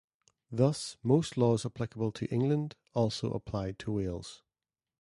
Thus, most laws applicable to England also applied to Wales.